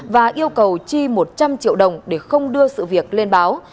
và yêu cầu chi một trăm linh triệu đồng để không đưa sự việc lên báo